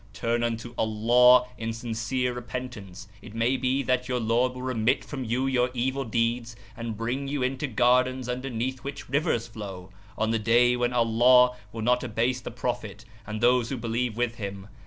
Turn unto Allah in sincere repentance! It may be that your Lord will remit from you your evil deeds and bring you into Gardens underneath which rivers flow, on the day when Allah will not abase the Prophet and those who believe with him.